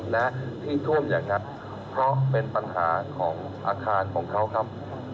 และที่ท่วมอย่างงัดเพราะเป็นปัญหาของอาคารของเขาครับ